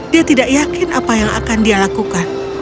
dia tidak yakin apa yang akan dia lakukan